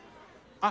あっ！